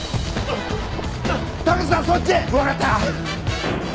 わかった！